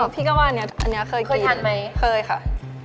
พี่ก็ว่าอันนี้เคยกินเคยค่ะเคยทันไหม